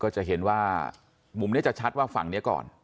จะเห็นว่ามุมนี้จะชัดว่าฝั่งนี้ก่อน